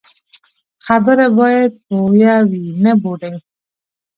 خبره باید بویه وي، نه بوډۍ.